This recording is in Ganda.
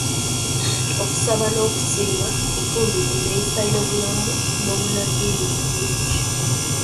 Okusaba n'okusiiba kitundu ku neeyisa y'obulamu bw'omunnadddiini omulungi.